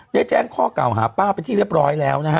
ได้แจ้งข้อเก่าหาป้าเป็นที่เรียบร้อยแล้วนะฮะ